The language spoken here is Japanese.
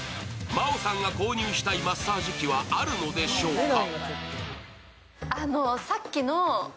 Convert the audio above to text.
真央さんが購入したいマッサージ器はあるのでしょうか。